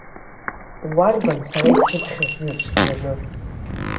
Уарбан сара исыԥхьо зыҽӡаны?